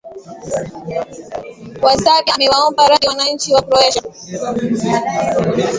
wa serbia amewaomba radhi wananchi wa croatia